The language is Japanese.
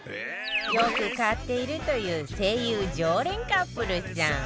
よく買っているという ＳＥＩＹＵ 常連カップルさん